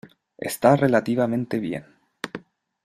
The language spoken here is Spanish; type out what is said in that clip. Está relativamente bien.